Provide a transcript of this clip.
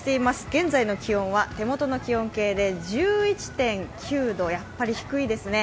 現在の気温は手元の気温計で１１．９度、やっぱり低いですね。